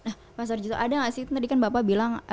nah pak sarjito ada nggak sih tadi kan bapak bilang